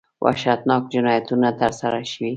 وحشتناک جنایتونه ترسره شوي.